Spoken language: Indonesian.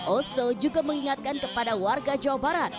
oso juga mengingatkan kepada warga jawa barat